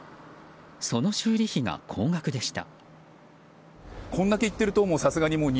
その修理費が高額でした。